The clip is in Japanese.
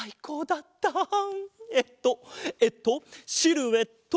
えっとえっとシルエット！